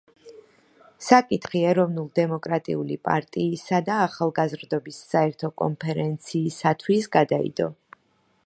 საკითხი ეროვნულ-დემოკრატიული პარტიისა და ახალგაზრდობის საერთო კონფერენციისათვის გადაიდო.